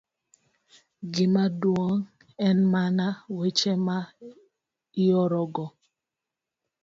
Gima duong' en mana weche ma iorogo